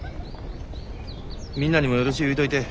みんなにもよろしゅう言うといて。